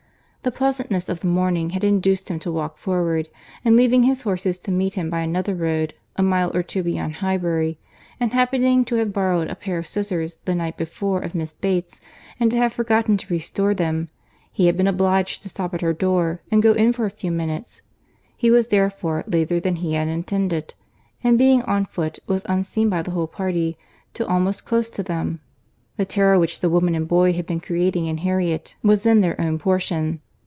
The pleasantness of the morning had induced him to walk forward, and leave his horses to meet him by another road, a mile or two beyond Highbury—and happening to have borrowed a pair of scissors the night before of Miss Bates, and to have forgotten to restore them, he had been obliged to stop at her door, and go in for a few minutes: he was therefore later than he had intended; and being on foot, was unseen by the whole party till almost close to them. The terror which the woman and boy had been creating in Harriet was then their own portion.